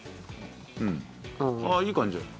うんああいい感じ。